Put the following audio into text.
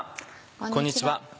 こんにちは。